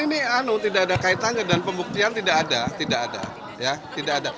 ini anu tidak ada kaitannya dan pembuktian tidak ada